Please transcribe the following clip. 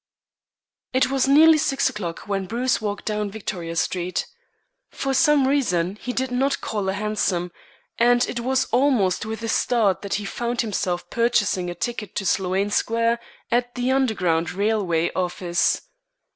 It was nearly six o'clock when Bruce walked down Victoria Street. For some reason, he did not call a hansom, and it was almost with a start that he found himself purchasing a ticket to Sloane Square at the Underground Railway office.